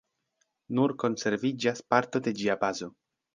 Nur konserviĝas parto de ĝia bazo.